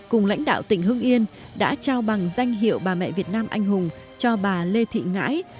cùng lãnh đạo tỉnh hưng yên đã trao bằng danh hiệu bà mẹ việt nam anh hùng cho bà lê thị ngãi